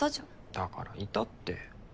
だからいたって。